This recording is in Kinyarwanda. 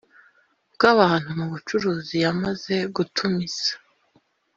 bw abantu mu bucuruzi yamaze gutumiza